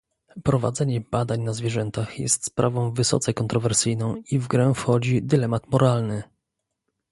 Prowadzenie badań na zwierzętach jest sprawą wysoce kontrowersyjną i w grę wchodzi dylemat moralny